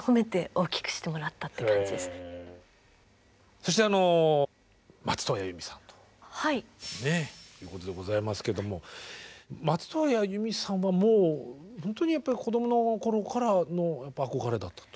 そしてあの松任谷由実さんということでございますけども松任谷由実さんはもうほんとに子どもの頃からの憧れだったと。